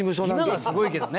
今はすごいけどね。